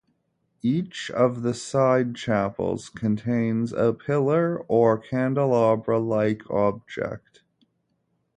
Each of the side chapels contains a pillar or candelabra-like object.